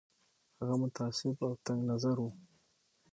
هغه متعصب او تنګ نظر وو.